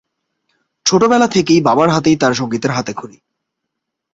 ছোটবেলা থেকেই বাবার হাতেই তার সংগীতের হাতেখড়ি।